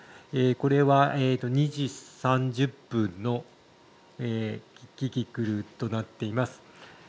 これは２時３０分のキキクルとなっています。